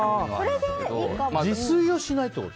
自炊をしないってこと？